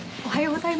おはよう。